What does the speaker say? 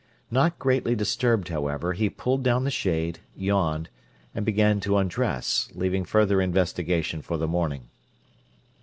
Not greatly disturbed, however, he pulled down the shade, yawned, and began to undress, leaving further investigation for the morning.